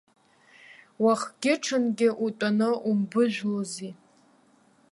Уахгьыҽынгьы утәаны умбыжәлози.